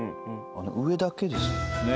あの上だけですよね。